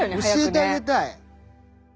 教えてあげたい！